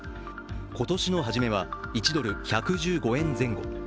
今年の初めは１ドル＝１１５円前後。